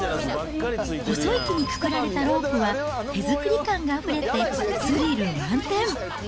細い木にくくられたロープは、手作り感があふれてスリル満点。